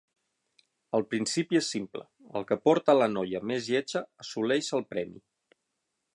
El principi és simple: el que porta la noia més lletja assoleix el premi.